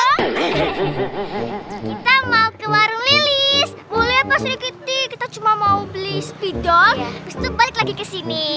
kita mau ke warung lilis boleh pasri kitty kita cuma mau beli spidol terus balik lagi kesini